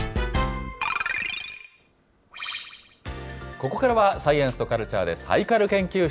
ここからは、サイエンスとカルチャーでサイカル研究室。